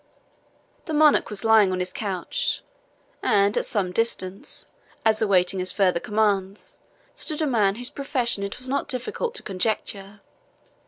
The Monarch was lying on his couch, and at some distance, as awaiting his further commands, stood a man whose profession it was not difficult to conjecture.